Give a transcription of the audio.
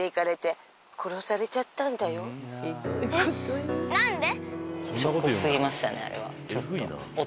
えっ何で？